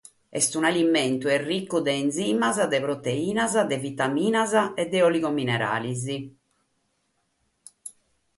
Est un'alimentu ricu de enzimas, de proteinas, de vitaminas e de òligo-minerales.